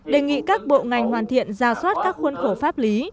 đề nghị các bộ ngành hoàn thiện ra soát các khuôn khổ pháp lý